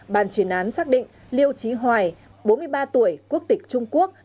bàn chuyển án xác định liêu trí hoài bốn mươi ba tuổi quốc tịch trung quốc